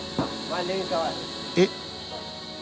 えっ？